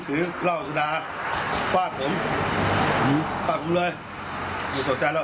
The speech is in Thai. ถือเหล้าสุดาฟาดผมผมตัดผมเลยไม่สนใจแล้ว